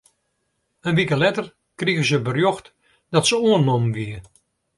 In wike letter krige se berjocht dat se oannommen wie.